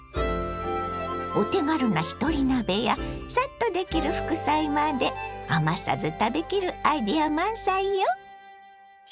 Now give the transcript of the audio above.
お手軽なひとり鍋やサッとできる副菜まで余さず食べきるアイデア満載よ。